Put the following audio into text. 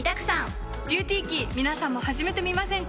「ＢｅａｕｔｙＫｅｙ」皆さんも始めてみませんか？